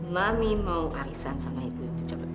mami mau arisan sama ibu yang pecah betul ya